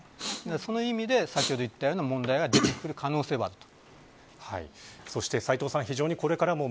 その意味で、先ほど言ったような問題が関係する可能性はあると。